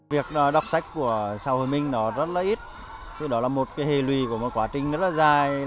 việc đọc sách của xã hội mình rất ít đó là một hề lùi của một quá trình rất dài